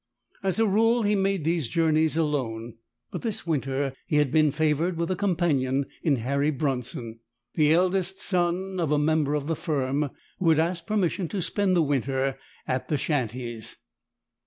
As a rule he made these journeys alone, but this winter he had been favoured with a companion in Harry Bronson, the eldest son of a member of the firm, who had asked permission to spend the winter at the "shanties."